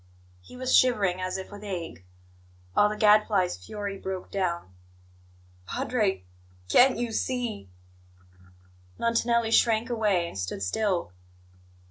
He was shivering as if with ague. All the Gadfly's fury broke down. "Padre, can't you see " Montanelli shrank away, and stood still.